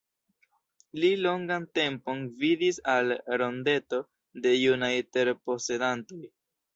Li longan tempon gvidis al Rondeto de Junaj Terposedantoj.